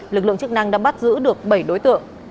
lực lượng chức năng đã bắt giữ được bảy đối tượng